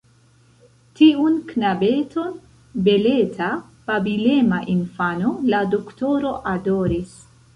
Tiun knabeton, beleta, babilema infano, la doktoro adoris.